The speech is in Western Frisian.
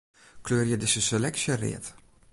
Kleurje dizze seleksje read.